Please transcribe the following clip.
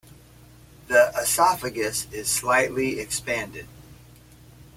The esophagus is slightly expanded.